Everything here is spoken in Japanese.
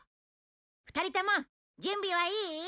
２人とも準備はいい？